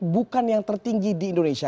bukan yang tertinggi di indonesia